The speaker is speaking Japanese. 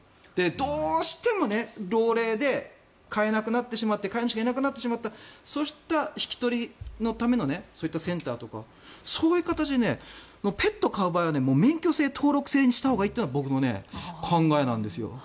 どうしても老齢で飼えなくなってしまって飼い主がいなくなってしまったそしたら引き取りのためのそういったセンターとかそういう形でペットを飼う場合は免許制、登録制にしたほうがいいというのが僕の考えです。